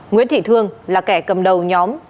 nguyễn thị thương là kẻ cầm đầu nhóm